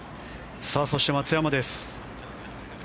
そして、松山です。